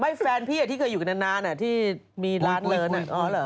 แฟนพี่ที่เคยอยู่กันนานที่มีร้านเลิน